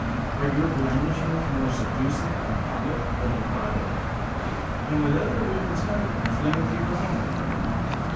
Are your blandishments more seducing in public than in private, and with other women's husbands than with your own?